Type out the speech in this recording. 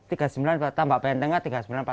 empat kali enaman ya